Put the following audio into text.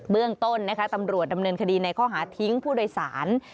เรื่องต้นนะคะตำรวจดำเนินคดีในข้อหาทิ้งผู้โดยสาร